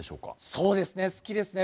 そうですね好きですね。